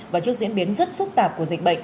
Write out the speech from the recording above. và trước diễn biến rất phức tạp của dịch bệnh